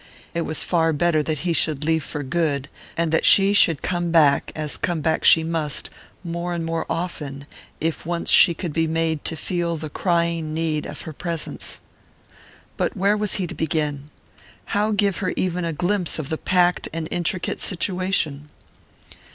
It was far better that he should leave for good, and that she should come back, as come back she must, more and more often, if once she could be made to feel the crying need of her presence. But where was he to begin? How give her even a glimpse of the packed and intricate situation?